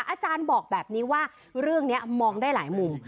อาจารย์บอกแบบนี้ว่าเรื่องนี้มองได้หลายมุม